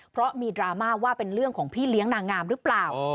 เพราะมีดราม่าว่าเป็นเรื่องของพี่เลี้ยงนางงามหรือเปล่า